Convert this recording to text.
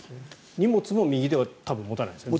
荷物も右では多分持たないですよね。